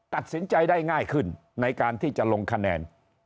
ตัดสินใจได้ง่ายขึ้นในการที่จะลงคะแนน